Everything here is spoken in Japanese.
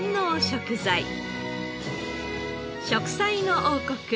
『食彩の王国』